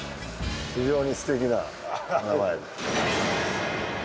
非常にすてきなお名前。